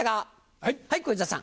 はい小遊三さん。